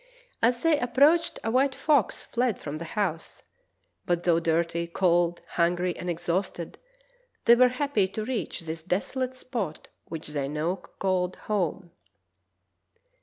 As they approached a white fox fled from the house, but though dirty, cold, hungry, and exhausted, they were happy to reach this desolate spot which they now called home.